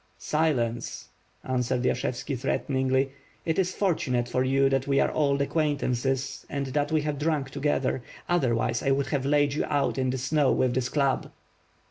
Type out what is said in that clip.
"Silence," answered Yashevski threateningly, "it is fortu nate for you that we are old acquaintances and that we have drunk together, otherwise I would have laid you out in the snow with this club."